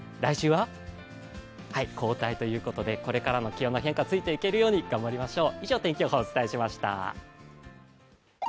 はい、後退ということでこれからの気温の変化についていけるようにしましょう。